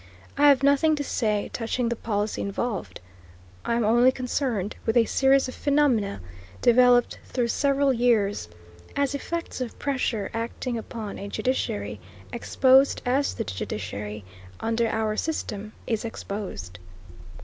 I have nothing to say touching the policy involved. I am only concerned with a series of phenomena, developed through several years, as effects of pressure acting upon a judiciary, exposed as the judiciary, under our system, is exposed.